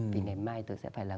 vì ngày mai tôi sẽ phải là